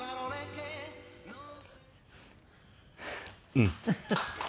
うん。